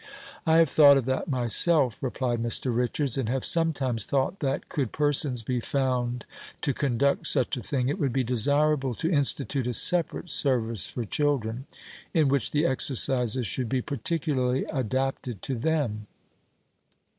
"I have thought of that myself," replied Mr. Richards, "and have sometimes thought that, could persons be found to conduct such a thing, it would be desirable to institute a separate service for children, in which the exercises should be particularly adapted to them."